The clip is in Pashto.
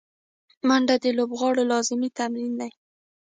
منډه د لوبغاړو لازمي تمرین دی